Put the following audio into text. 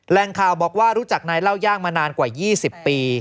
แรงข่าวบอกว่ารู้จักนายเล่าย่างมานานกว่า๒๐ปี